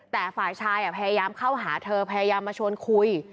แต่ฝ่ายชายพยายามเข้าหาเธอพยายามมาชวนคุย